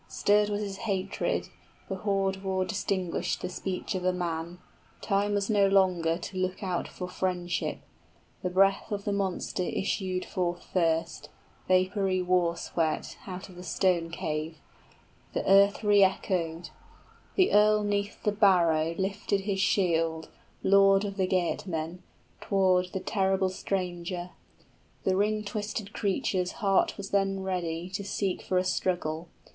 Stirred was his hatred, {Beowulf calls out under the stone arches.} The hoard ward distinguished the speech of a man; Time was no longer to look out for friendship. The breath of the monster issued forth first, Vapory war sweat, out of the stone cave: {The terrible encounter.} 95 The earth re echoed. The earl 'neath the barrow Lifted his shield, lord of the Geatmen, Tow'rd the terrible stranger: the ring twisted creature's Heart was then ready to seek for a struggle.